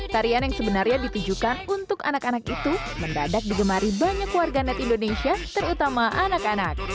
tarian yang sebenarnya ditujukan untuk anak anak itu mendadak digemari banyak warganet indonesia terutama anak anak